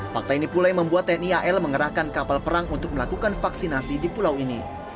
fakta ini pula yang membuat tni al mengerahkan kapal perang untuk melakukan vaksinasi di pulau ini